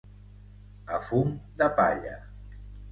A fum de palla.